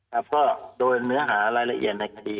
ครับก็โดยเนื้อหารายละเอียดในคดี